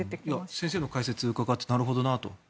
先生の解説を伺ってなるほどなと。